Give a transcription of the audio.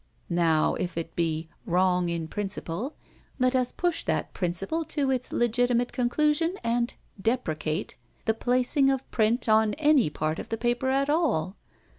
Now, if it be "wrong in principle," let us push that principle to its legitimate conclusion, and "deprecate" the placing of print on any part of the paper at all.